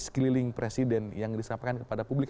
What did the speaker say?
sekeliling presiden yang disampaikan kepada publik